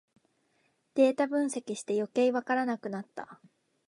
データ分析してよけいわからなくなった